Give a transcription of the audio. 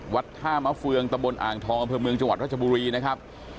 วัดท่ามะเฟืองตะบนอ่างทองอำเภอเมืองจังหวัดรัชบุรีนะครับ